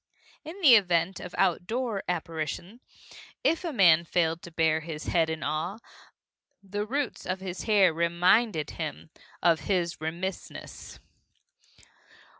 In the event of outdoor apparition, if a man failed to bare his head in awe, the roots of his hair reminded him of his remissness.